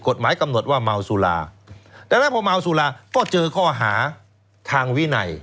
กฎหมายกำหนดว่าเมาสุราดังนั้นพอเมาสุราก็เจอข้อหาทางวินัย